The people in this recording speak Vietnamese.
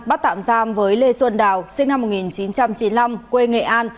bắt tạm giam với lê xuân đào sinh năm một nghìn chín trăm chín mươi năm quê nghệ an